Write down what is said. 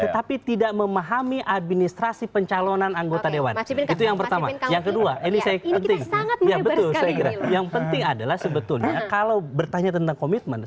tapi kenapa dicalitin lagi